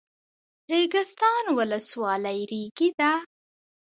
ریګستان ولسوالۍ ریګي ده؟